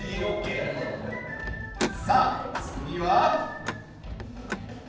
さあ、次は？